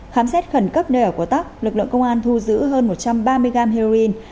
khám xét khẩn cấp nơi ở của tóc lực lượng công an thu giữ hơn một trăm ba mươi gam heroin